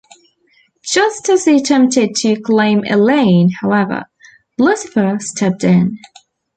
Just as he attempted to claim Elaine, however, Lucifer stepped in.